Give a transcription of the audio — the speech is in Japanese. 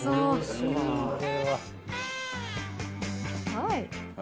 はい！